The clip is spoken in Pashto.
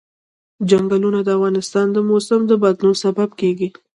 چنګلونه د افغانستان د موسم د بدلون سبب کېږي.